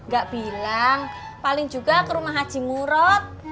gak bilang paling juga ke rumah haji murod